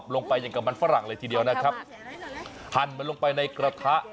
ลงไปอย่างกับมันฝรั่งเลยทีเดียวนะครับหั่นมันลงไปในกระทะ